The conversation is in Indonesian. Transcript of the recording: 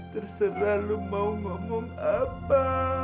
terserah lo mau ngomong apa